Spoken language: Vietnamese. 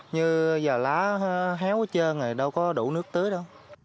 như giờ lá héo hết trơn rồi đâu có đủ nước tưới đâu